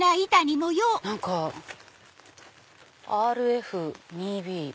何か「ＲＦ」「２Ｂ」。